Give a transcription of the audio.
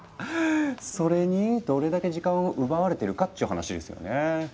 それにどれだけ時間を奪われてるかっちゅう話ですよね。